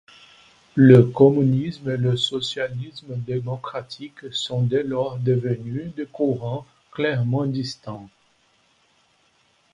Le communisme et le socialisme démocratique sont dès lors devenus des courants clairement distincts.